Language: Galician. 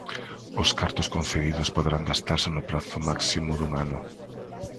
Os cartos concedidos poderán gastarse no prazo máximo dun ano.